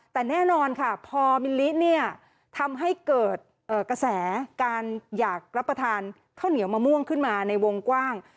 แต่แน่นอนค่ะพอมิลลิเนี่ยทำให้เกิดกระแสการอยากรับประทานข้าวเหนียวมะม่วงขึ้นมาในวงกว้าง